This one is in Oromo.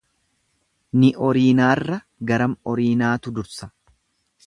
Ni oriinaarra garam oriinaatu dursa.